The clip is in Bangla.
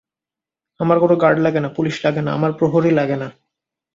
আমার কোনো গার্ড লাগে না, পুলিশ লাগে না, আমার প্রহরী লাগে না।